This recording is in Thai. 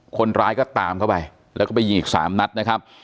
คนร้ายก็ตามเข้าไปแล้วก็ไปยิงอีกสามนัดนะครับ